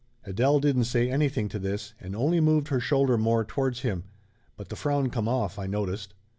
Adele didn't say anything to this, and only moved her shoulder more towards him. But the frown come off, I noticed.